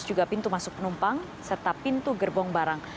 juga pintu masuk penumpang serta pintu gerbong barang